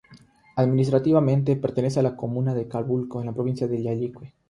Administrativamente, pertenece a la comuna de Calbuco, en la provincia de Llanquihue.